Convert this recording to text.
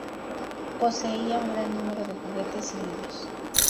Poseía un gran número de juguetes y libros.